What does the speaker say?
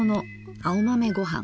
青豆ごはん。